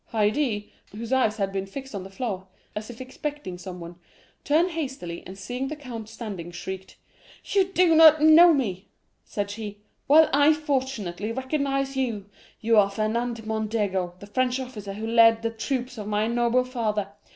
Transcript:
Haydée, whose eyes had been fixed on the door, as if expecting someone, turned hastily, and, seeing the count standing, shrieked, 'You do not know me?' said she. 'Well, I fortunately recognize you! You are Fernand Mondego, the French officer who led the troops of my noble father!